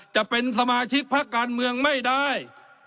จะเป็นสมาชิกพักการเมืองไม่ได้